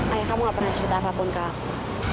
ayah kamu gak pernah cerita apa apun ke aku